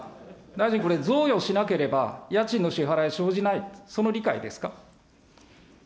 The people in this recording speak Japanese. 大臣、これ贈与しなければ、家賃の支払い生じない、その理解ですか。